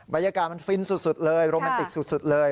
บรรยากาศมันฟินสุดเลยโรแมนติกสุดเลย